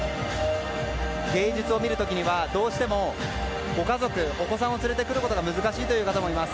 芸術を見る時にはどうしてもお子さんを連れてくることが難しいという方もいます。